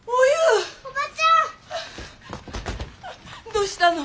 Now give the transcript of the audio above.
どうしたの？